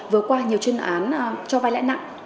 vừa qua nhiều chuyên án cho vay lãi nặng